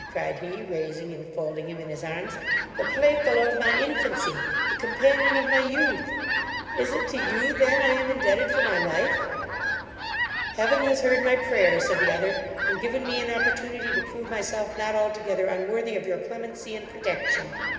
(cried he, raising and folding him in his arms) the playfellow of my infancy the companion of my youth! Is it to you then I am indebted for my life?' 'Heaven has heard my prayer (said the other), and given me an opportunity to prove myself not altogether unworthy of your clemency and protection.